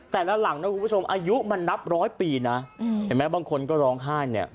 หลังนะคุณผู้ชมอายุมันนับร้อยปีนะเห็นไหมบางคนก็ร้องไห้เนี่ย